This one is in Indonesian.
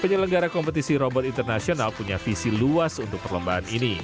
penyelenggara kompetisi robot internasional punya visi luas untuk perlombaan ini